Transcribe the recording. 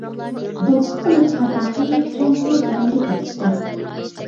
دوپپا قىلىپ شاپاقنى، چوڭقۇر غەمگە پېتىپتۇ.